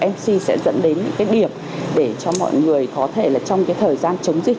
mc sẽ dẫn đến những cái điểm để cho mọi người có thể là trong cái thời gian chống dịch